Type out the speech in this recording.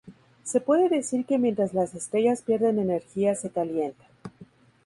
Se puede decir que mientras las estrellas pierden energía se calientan.